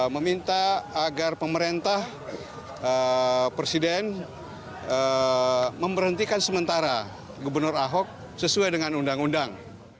meminta agar pemerintah presiden memberhentikan sementara gubernur ahok sesuai dengan undang undang